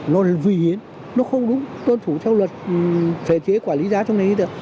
nó là vì hiến nó không đúng tuân thủ theo luật phế chế quản lý giá trong này đi được